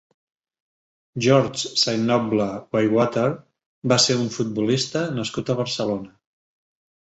George Saint Noble Bywater va ser un futbolista nascut a Barcelona.